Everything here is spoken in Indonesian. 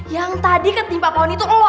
yang tadi ketimpa paon itu lu